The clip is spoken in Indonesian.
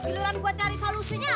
giliran gua cari solusinya